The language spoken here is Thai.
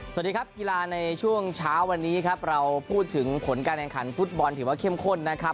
สวัสดีครับกีฬาในช่วงเช้าวันนี้ครับเราพูดถึงผลการแข่งขันฟุตบอลถือว่าเข้มข้นนะครับ